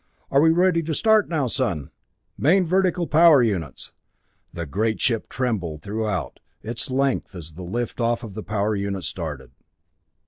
Are we ready to start now, son?" "Main vertical power units!" The great ship trembled throughout its length as the lift of the power units started.